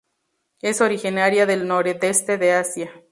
Es originaria del nordeste de Asia.